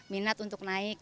minat untuk naik